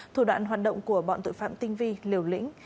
thủ đoạn hoạt động của bọn tội phạm tinh vi liều lĩnh